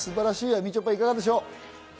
みちょぱ、いかがでしょう？